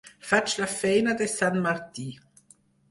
Faig la feina de sant Martí.